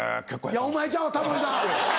いや「お前」ちゃうわタモリさん。